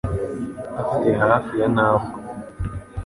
Afite hafi ya ntabwo